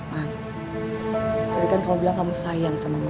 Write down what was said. kamu kan tau kalo sampe terjadi sesuatu sama anak anak mama